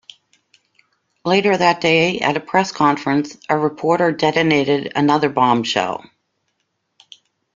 Later that day at a press conference, a reporter detonated another bombshell.